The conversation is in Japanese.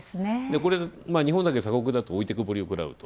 日本だけ鎖国だと、置いてけぼりを食らうと。